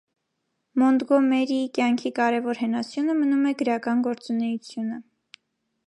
Մոնտգոմերիի կյանքի կարևոր հենասյունը մնում է գրական գործունեությունը։